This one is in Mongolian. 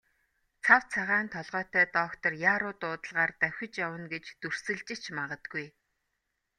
Цав цагаан толгойтой доктор яаруу дуудлагаар давхиж явна гэж дүрсэлж ч магадгүй.